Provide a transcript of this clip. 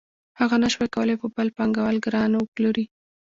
هغه نشوای کولی په بل پانګوال ګران وپلوري